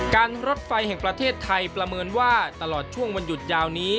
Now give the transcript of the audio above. รถไฟแห่งประเทศไทยประเมินว่าตลอดช่วงวันหยุดยาวนี้